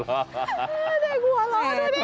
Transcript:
เด็กหัวเราะดูดิ